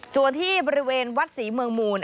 ส่วนที่บริเวณวัดศรีเมืองมูล